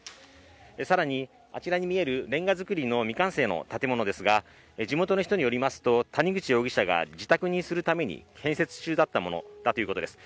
更に、あちらに見えるれんが造りの未完成の建物ですが地元の人によりますと、谷口容疑者が自宅にするために建設中だったものだということです。